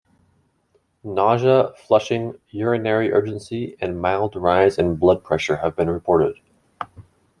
Nausea, flushing, urinary urgency, and mild rise in blood pressure have been reported.